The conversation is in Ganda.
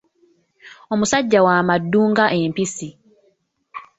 Omusajja wa maddu nga Empisi.